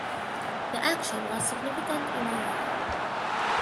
The action was significant enough.